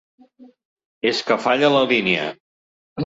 És que falla la línia.